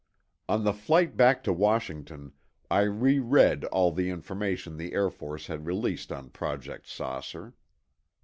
On the flight back to Washington, I reread all the information the Air Force had released on Project "Saucer."